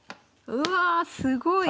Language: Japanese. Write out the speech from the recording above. うわすごい！